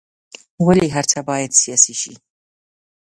ولې هر څه باید سیاسي شي.